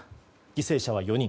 犠牲者は４人。